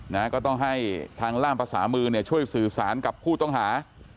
นะก็ต้องให้ทางล่ามภาษามือเนี่ยช่วยสื่อสารกับผู้ต้องหา